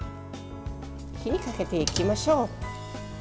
火にかけていきましょう。